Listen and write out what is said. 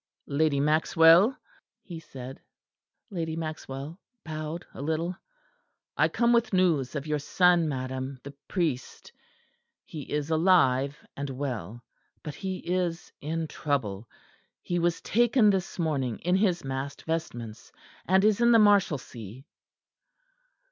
"Lady Maxwell?" he said. Lady Maxwell bowed a little. "I come with news of your son, madam, the priest; he is alive and well; but he is in trouble. He was taken this morning in his mass vestments; and is in the Marshalsea."